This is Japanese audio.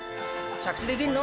着地できんの？